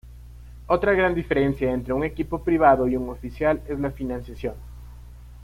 Otra gran diferencia entre un equipo privado y un oficial es la financiación.